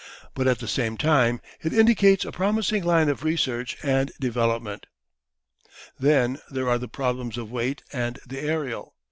But at the same time it indicates a promising line of research and development. Then there are the problems of weight and the aerial.